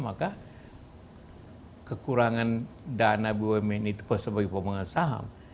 maka kekurangan dana bumn itu sebagai pemenang saham